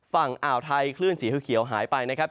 ฝั่งอ่าวไทยคลื่นสีเขียวหายไปนะครับ